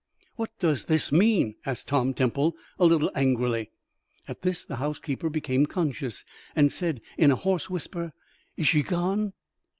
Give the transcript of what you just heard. "What does this mean?" asked Tom Temple, a little angrily. At this the housekeeper became conscious and said in a hoarse whisper, "Is she gone?"